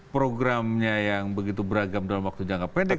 programnya yang begitu beragam dalam waktu jangka pendek